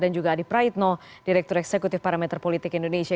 dan juga adi praitno direktur eksekutif parameter politik indonesia